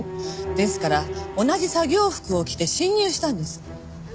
ですから同じ作業服を着て侵入したんです。